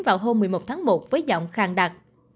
vào hôm một mươi một tháng một với giọng khang đặt